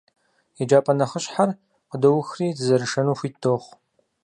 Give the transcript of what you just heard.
ЕджапӀэ нэхъыщхьэр къыдоухри, дызэрышэну хуит дохъу.